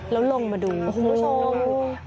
แล้วลงมาดูโอ้โฮ